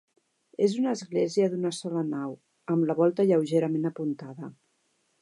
És una església d'una sola nau, amb la volta lleugerament apuntada.